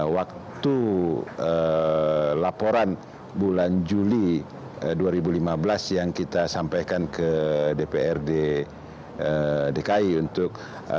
waktu laporan bulan juli dua ribu lima belas yang kita sampaikan ke dprd dki untuk